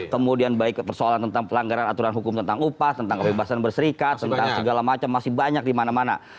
kemudian baik persoalan tentang pelanggaran aturan hukum tentang upas tentang kebebasan berserikat tentang segala macam masih banyak di mana mana